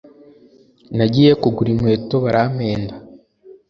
nagiye kugura inkweto barampenda